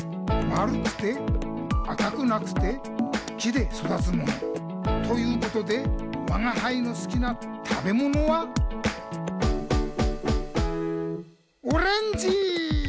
まるくてあかくなくてきでそだつもの。ということでわがはいのすきなたべものはオレンジ！